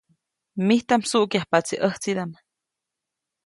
Mijtaʼm msuʼkyajpaʼtsi ʼäjtsidaʼm.